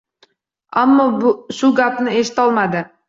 Ammo shu gapni eshitolmadi.